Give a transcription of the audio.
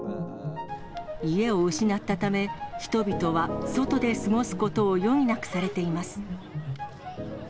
家を失ったため、人々は外で過ごすことを余儀なくされています。